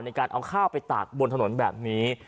ในการเอาข้าวไปตากบนถนนแบบนี้